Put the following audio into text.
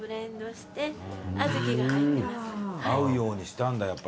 合うようにしたんだやっぱ。